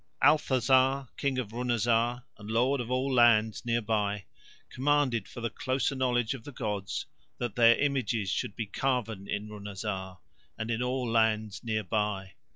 Althazar, King of Runazar, and lord of all lands near by, commanded for the closer knowledge of the gods that Their images should be carven in Runazar, and in all lands near by.